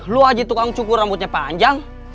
lu aja tukang cukur rambutnya panjang